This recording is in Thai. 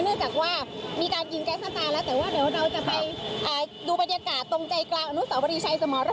เนื่องจากว่ามีการยิงแก๊สน้ำตาแล้วแต่ว่าเดี๋ยวเราจะไปดูบรรยากาศตรงใจกลางอนุสาวรีชัยสมร